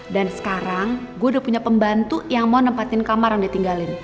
dan sekarang gue udah punya pembantu yang mau nempatin kamar yang dia tinggalin